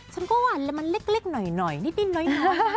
ช่วงก็ดูมันเล็กหน่อยนิดหน่อย